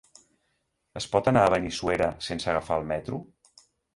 Es pot anar a Benissuera sense agafar el metro?